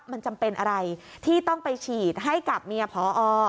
มันจำเป็นอะไรที่ต้องไปฉีดให้กับเมียพอ